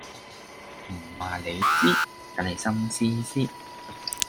唔話你知，等你心思思